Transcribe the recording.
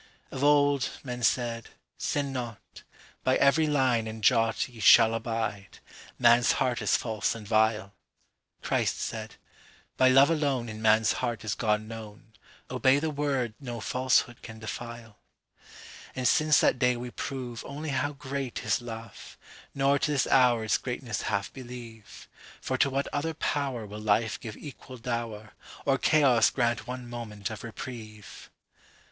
…Of old, men said, 'Sin not; By every line and jotYe shall abide; man's heart is false and vile.'Christ said, 'By love aloneIn man's heart is God known; Obey the word no falsehood can defile.'…And since that day we proveOnly how great is love, Nor to this hour its greatness half believe. For to what other powerWill life give equal dower, Or chaos grant one moment of reprieve!